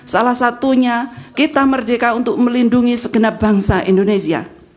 salah satunya kita merdeka untuk melindungi segenap bangsa indonesia